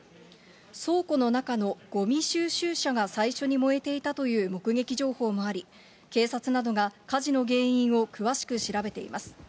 倉庫の中のごみ収集車が最初に燃えていたという目撃情報もあり、警察などが火事の原因を詳しく調べています。